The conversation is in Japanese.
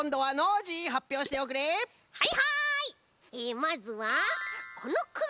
まずはこのくも。